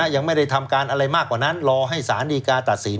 ยังไม่ได้ทำการอะไรมากกว่านั้นรอให้สารดีกาตัดสิน